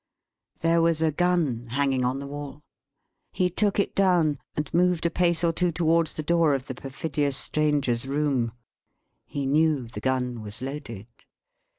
There was a Gun, hanging on the wall. He took it down, and moved a pace or two towards the door of the perfidious Stranger's room. He knew the Gun was loaded.